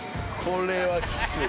これはきつい。